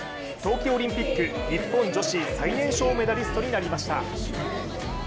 冬季オリンピック日本女子最年少メダリストになりました。